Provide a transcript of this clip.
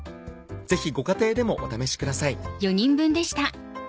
ぜひご家庭でもお試しください。